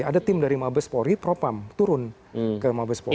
ada tim dari mabes polri propam turun ke mabes polri